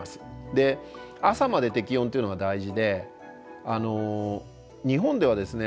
で朝まで適温というのが大事で日本ではですね